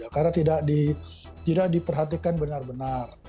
karena tidak diperhatikan benar benar